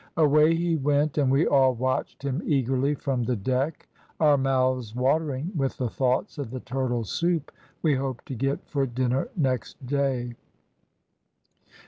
Away he went, and we all watched him eagerly from the deck, our mouths watering with the thoughts of the turtle soup we hoped to get for dinner next day.